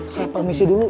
saya permisi dulu